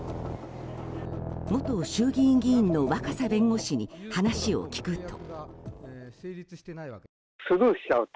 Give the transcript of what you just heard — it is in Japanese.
元衆議院議員の若狭弁護士に話を聞くと。